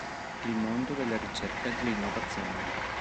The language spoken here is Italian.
Il mondo della ricerca e dell’innovazione.